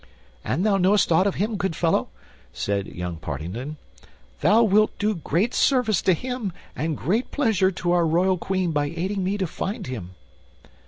"An thou knowest aught of him, good fellow," said young Partington, "thou wilt do great service to him and great pleasure to our royal Queen by aiding me to find him."